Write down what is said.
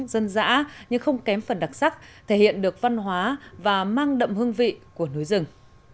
dân dã nhưng không kém phần đặc sắc thể hiện được văn hóa và mang đậm hương vị của núi rừng